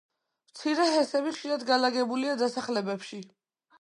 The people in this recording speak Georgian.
მცირე ჰესები ხშირად განლაგებულია დასახლებებში.